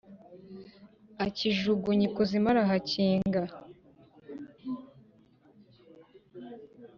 akijugunya ikuzimu arahakinga,